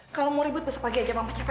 kalau mau ribut besok pagi saja mama capek